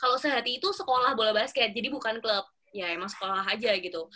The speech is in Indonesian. kalau sehati itu sekolah bola basket jadi bukan klub ya emang sekolah aja gitu